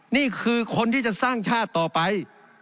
นี่คือคนที่จะสร้างชาติต่อไป